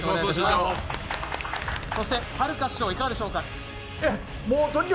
そしてはるか師匠、いかがでしょうか？